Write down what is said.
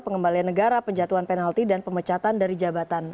pengembalian negara penjatuhan penalti dan pemecatan dari jabatan